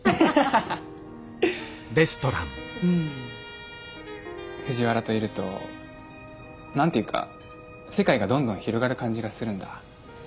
うん藤原といると何て言うか世界がどんどん広がる感じがするんだ。